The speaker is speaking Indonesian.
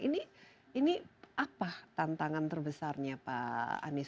ini apa tantangan terbesarnya pak anies